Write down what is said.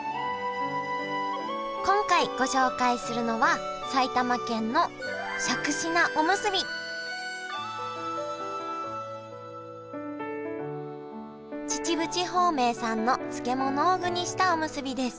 今回ご紹介するのは秩父地方名産の漬物を具にしたおむすびです。